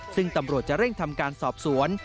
ซึ่งตำรวจจะเร่งทำการสอบสวน